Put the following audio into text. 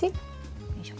よいしょ。